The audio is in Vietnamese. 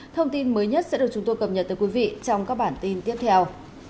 thông tin mới nhất sẽ được chúng tôi cập nhật tới quý vị trong các bản tin tiếp theo